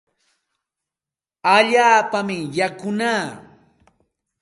Allaapami yakunaa.